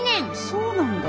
そうなんだ。